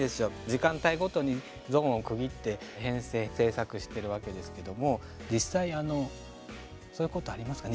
時間帯ごとにゾーンを区切って編成、制作してるわけですけれども、実際あのそういうことありますか？